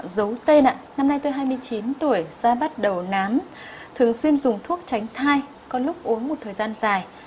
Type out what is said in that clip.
giấu tên ạ năm nay tôi hai mươi chín tuổi ra bắt đầu nám thường xuyên dùng thuốc tránh thai có lúc uống một thời gian dài